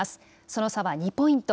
その差は２ポイント。